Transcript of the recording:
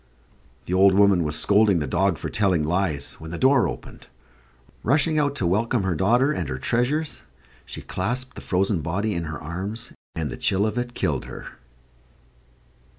The old woman was scolding the dog for telling lies, when the door opened. Rushing out to welcome her daughter and her treasures, she clasped the frozen body in her arms; and the chill of it killed her.